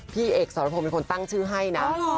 พี่เอกสรพงศ์เป็นคนตั้งชื่อให้นะ